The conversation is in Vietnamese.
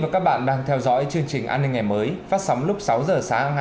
có là một chiếc lá mỏ